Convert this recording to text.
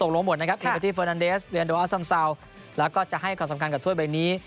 แล้วก็จะให้ความสำคัญกับถ้วยใบนี้